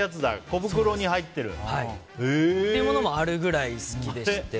小袋に入ってる。というものもあるぐらい好きでして。